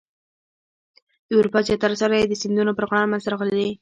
د اروپا زیاتره صنایع د سیندونو پر غاړه منځته راغلي دي.